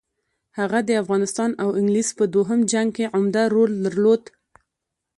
هغه د افغانستان او انګلیس په دوهم جنګ کې عمده رول درلود.